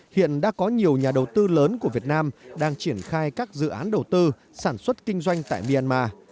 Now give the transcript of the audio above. hiện đã có nhiều nhà đầu tư lớn của việt nam đang triển khai các dự án đầu tư sản xuất kinh doanh tại myanmar